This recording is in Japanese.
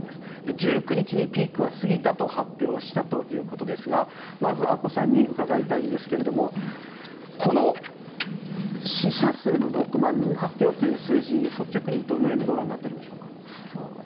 １９日にピークは過ぎたと発表したということですがまず、阿古さんに伺いたいんですがこの死者数の６万人発表という数字率直にどのようにご覧になっているんでしょうか。